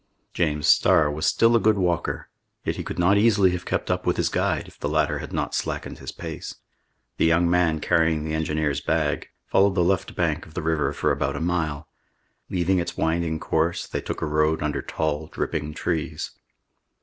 James Starr was still a good walker, yet he could not easily have kept up with his guide, if the latter had not slackened his pace. The young man, carrying the engineer's bag, followed the left bank of the river for about a mile. Leaving its winding course, they took a road under tall, dripping trees.